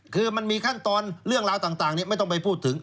คือมันมีขั้นตอนเรื่องราวต่างไม่ต้องไปพูดถึง